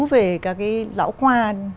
về các cái lão khoa